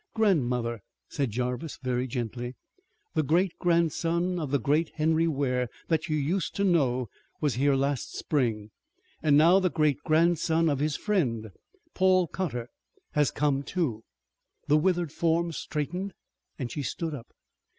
"Grandmother," said Jarvis very gently, "the great grandson of the great Henry Ware that you used to know was here last spring, and now the great grandson of his friend, Paul Cotter, has come, too." The withered form straightened and she stood up.